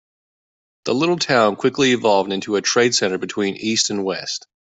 The little town quickly evolved into a trade center between east and west.